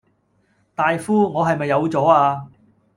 大夫，我係咪有左呀